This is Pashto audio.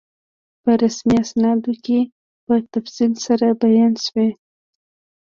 په رسمي اسنادو کې په تفصیل سره بیان شوی.